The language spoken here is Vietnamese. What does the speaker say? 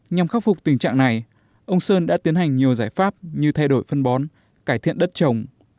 nhằm khắc phục tình trạng này ông sơn đã tiến hành nhiều giải pháp như thay đổi phân bón cải thiện đất trồng